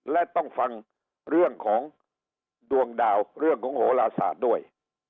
และต้องฟังเรื่องของดวงดาวเรื่องของโหลศาสตร์ด้วย